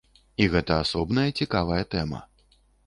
І гэта асобная цікавая тэма.